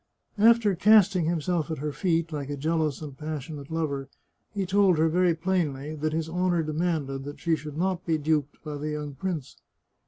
After casting himself at her feet, like a jealous and pas sionate lover, he told her very plainly that his honour de manded that she should not be duped by the young prince.